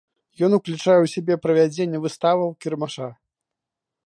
Ён уключае ў сябе правядзенне выставаў, кірмаша.